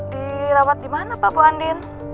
dirawat dimana pak bu andien